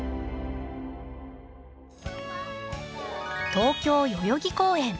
東京代々木公園。